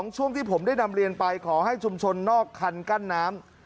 ช่วงที่ผมได้นำเรียนไปขอให้ชุมชนนอกคันกั้นน้ำ